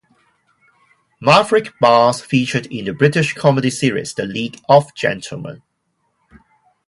Maverick bars featured in the British comedy series The League of Gentlemen.